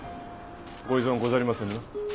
ご異存ござりませぬな。